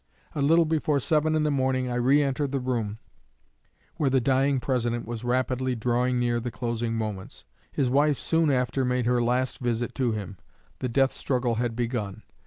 A little before seven in the morning I re entered the room where the dying President was rapidly drawing near the closing moments. His wife soon after made her last visit to him. The death struggle had begun.